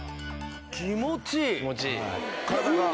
気持ちいい。